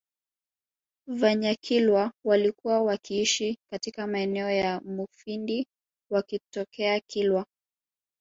Vanyakilwa walikuwa wakiishi katika maeneo ya Mufindi wakitokea Kilwa